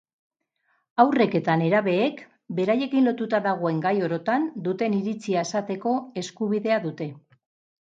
Haurrek eta nerabeek beraiekin lotuta dagoen gai orotan duten iritzia esateko eskubidea dute.